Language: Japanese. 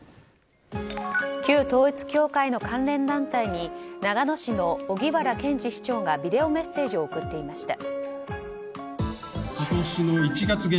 旧統一教会の関連団体に長野市の荻原市長がビデオメッセージを送っていました。